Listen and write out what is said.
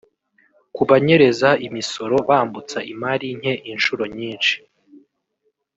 Ku banyereza imisoro bambutsa imari nke inshuro nyinshi